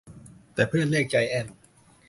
แต่เพื่อนเรียกไจแอนท์